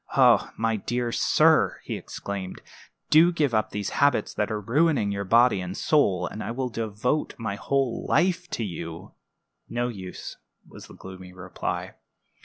Oh, my dear sir," he exclaimed, "do give up these habits that are ruining body and soul, and I will devote my whole life to you!" "No use," was the gloomy reply.